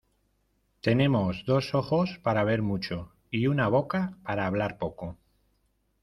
Tenemos dos ojos para ver mucho y una boca para hablar poco.